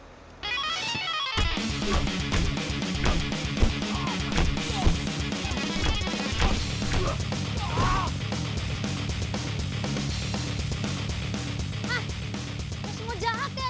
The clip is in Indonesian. lo semua jahat ya